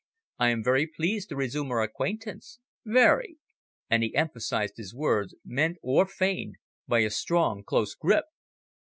I am very pleased to resume our acquaintance very." And he emphasised his words, meant or feigned, by a strong, close grip.